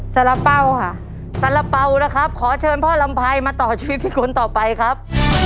สารเป้าค่ะสาระเป๋านะครับขอเชิญพ่อลำไพรมาต่อชีวิตเป็นคนต่อไปครับ